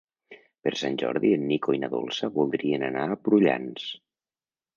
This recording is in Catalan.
Per Sant Jordi en Nico i na Dolça voldrien anar a Prullans.